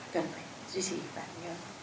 cần phải duy trì và nhớ